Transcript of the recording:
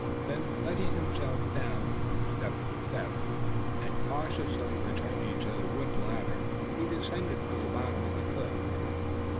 Then, letting himself down from step to step, and cautiously returning to the wooden ladder, he descended to the bottom of the cliff.